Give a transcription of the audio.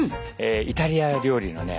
イタリア料理のね